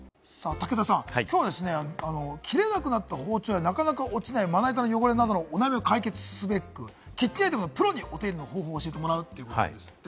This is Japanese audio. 武田さん、きょうは切れなくなった包丁や、なかなか落ちないまな板の汚れなどのお悩みを解決すべく、キッチンアイテムのプロにお手入れ方法を教えてもらうんですって。